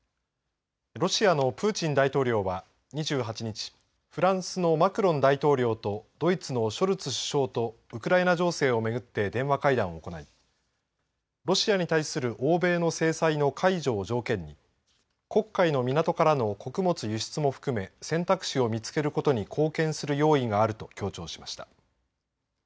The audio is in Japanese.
ロシアのプーチン大統領は２８日フランスのマクロン大統領とドイツのショルツ首相とウクライナ情勢を巡って電話会談を行いロシアに対する欧米の制裁の解除を条件に黒海の港からの穀物輸出も含め選択肢を見つけることに貢献する用意があると強調しました。